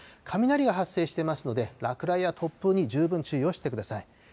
雷が発生してますので、落雷や突風に十分注意をしてください。